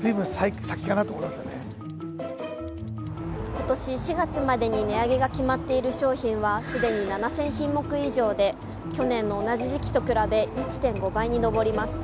今年４月までに値上げが決まっている商品は既に７０００品目以上で、去年の同じ時期と比べ１．５倍に上ります。